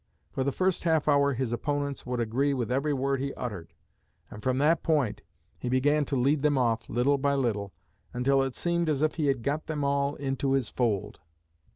For the first half hour his opponents would agree with every word he uttered; and from that point he began to lead them off little by little, until it seemed as if he had got them all into his fold."